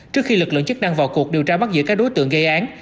trước khi lực lượng chức năng vào cuộc điều tra bắt giữ các đối tượng gây án